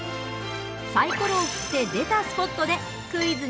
サイコロを振って出たスポットでクイズに挑戦。